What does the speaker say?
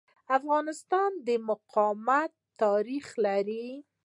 افغانستان د مقاومت تاریخ لري.